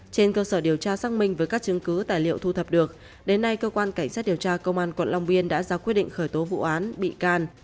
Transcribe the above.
trên cơ sở điều tra xác minh với các chứng cứ tài liệu thu thập được đến nay cơ quan cảnh sát điều tra công an quận long biên đã ra quyết định khởi tố vụ án bị can